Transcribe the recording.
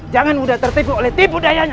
jangan mudah tertipu oleh tipu dayanya